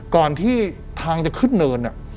ก่อนที่ทางจะขึ้นเนิน